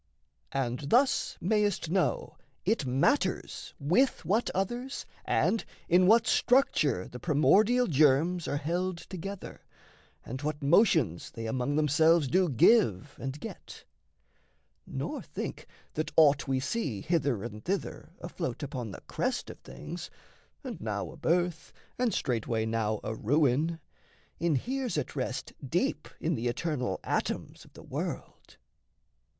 And thus may'st know it matters with what others And in what structure the primordial germs Are held together, and what motions they Among themselves do give and get; nor think That aught we see hither and thither afloat Upon the crest of things, and now a birth And straightway now a ruin, inheres at rest Deep in the eternal atoms of the world.